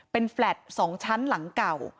เป็นแฟลต์๒ชั้นหลังเก่า